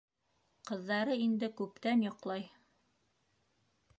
Ҡыҙҙары инде күптән йоҡлай.